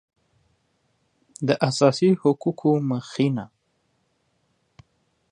د اساسي حقوقو مخینه